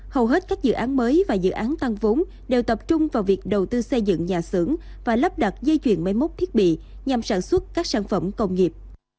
hầu hết các dự án mới và dự án tăng vốn đều tập trung vào việc đầu tư xây dựng nhà xưởng và lắp đặt dây chuyền máy móc thiết bị nhằm sản xuất các sản phẩm công nghiệp